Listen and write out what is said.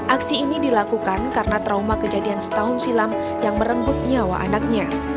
aksi ini dilakukan karena trauma kejadian setahun silam yang merenggut nyawa anaknya